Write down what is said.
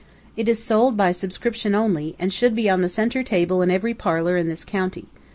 It is sold by subscription only, and should be on the center table in every parlor in this county.